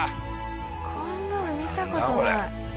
こんなの見た事ない。